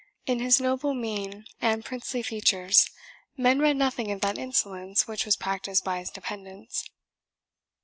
In his noble mien and princely features, men read nothing of that insolence which was practised by his dependants.